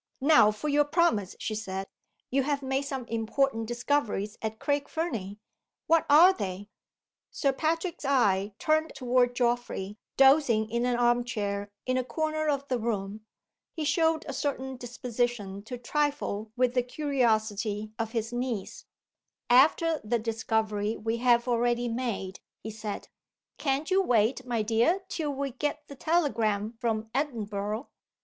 "Now for your promise," she said. "You have made some important discoveries at Craig Fernie. What are they?" Sir Patrick's eye turned toward Geoffrey, dozing in an arm chair in a corner of the room. He showed a certain disposition to trifle with the curiosity of his niece. "After the discovery we have already made," he said, "can't you wait, my dear, till we get the telegram from Edinburgh?"